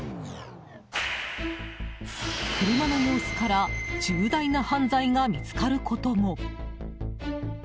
車の様子から重大な犯罪が見つかることも。